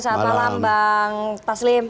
selamat malam bang taslim